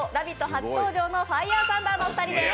初登場のファイアーサンダーのお二人です。